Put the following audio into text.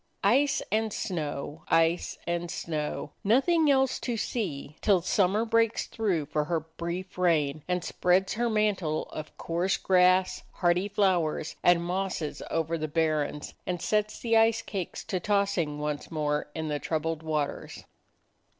Ice and snow, ice and 27 DOG HEROES OF MANY LANDS snow; nothing else to see till summer breaks through for her brief reign and spreads her mantle of coarse grass, hardy flowers and mosses over the barrens and sets the ice cakes to tossing once more in the troubled waters.